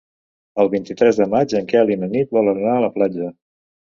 El vint-i-tres de maig en Quel i na Nit volen anar a la platja.